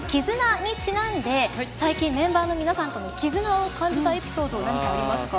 ＫＩＺＵＮＡにちなんで最近メンバーの皆さんとの絆を感じたエピソード何かありますか。